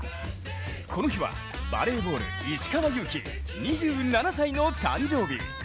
この日はバレーボール・石川祐希２７歳の誕生日。